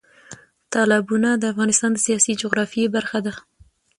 تالابونه د افغانستان د سیاسي جغرافیه برخه ده.